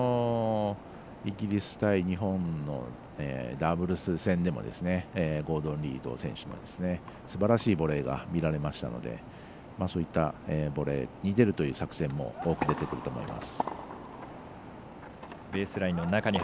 イギリス対日本のダブルス戦でもゴードン・リード選手のすばらしいボレーが見られましたのでボレーに出るという作戦も多く出てくると思います。